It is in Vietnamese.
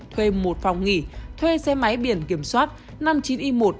thuê một phòng nghỉ thuê xe máy biển kiểm soát năm mươi chín i một một mươi chín nghìn tám trăm chín mươi một